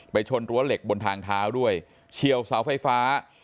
ชนรั้วเหล็กบนทางเท้าด้วยเฉียวเสาไฟฟ้า